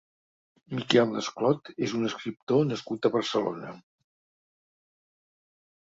Miquel Desclot és un escriptor nascut a Barcelona.